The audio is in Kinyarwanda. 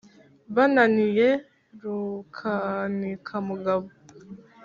bananiye rukanikamugabo